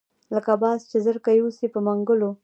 لکه باز چې زرکه یوسي په منګلو